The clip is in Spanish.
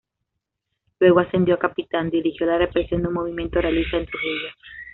Luego ascendido a capitán, dirigió la represión de un movimiento realista en Trujillo.